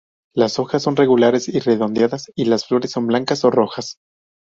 Las hojas son regulares y redondeadas, y las flores son blancas o rojas.